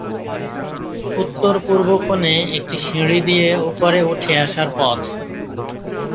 উত্তর-পূর্ব কোণে একটি সিঁড়ি দিয়ে উপরে উঠে আসার পথ।